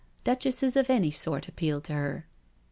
Duchesses of any sort appealed to her.